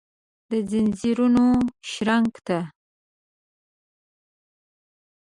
دځنځیرونو شرنګ ته ،